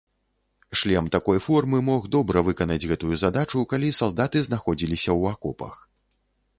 Шлем такой формы мог добра выканаць гэтую задачу, калі салдаты знаходзіліся ў акопах.